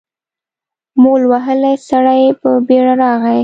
مول وهلی سړی په بېړه راغی.